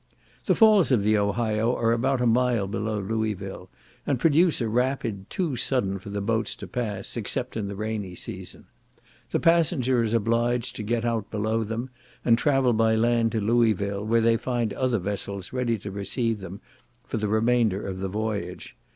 The falls of the Ohio are about a mile below Louisville, and produce a rapid, too sudden for the boats to pass, except in the rainy season. The passengers are obliged to get out below them, and travel by land to Louisville, where they find other vessels ready to receive them for the remainder of the voyage.